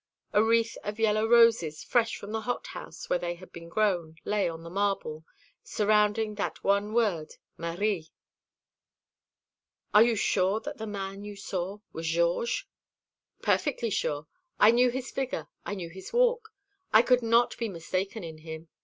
A wreath of yellow roses, fresh from the hothouse where they had been grown, lay on the marble, surrounding that one word 'Marie.'" "Are you sure that the man you saw was Georges?" "Perfectly sure. I knew his figure; I knew his walk. I could not be mistaken in him.